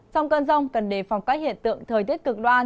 trong cơn rông cần đề phòng các hiện tượng thời tiết cực đoan